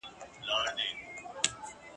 د ښکاري د تور په منځ کي ګرځېدلې !.